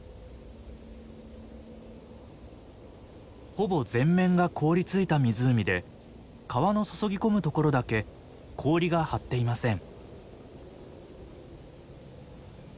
ほぼ全面が凍りついた湖で川の注ぎ込むところだけ氷が張っていません。